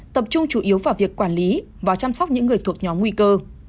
tập trung chủ yếu vào việc quản lý và chăm sóc những người thuộc nhóm nguy cơ